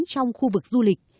trong khu vực du lịch